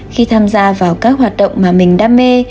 khi tham gia vào các hoạt động mà mình đam mê